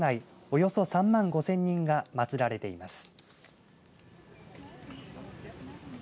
およそ３万５０００人がまつられています。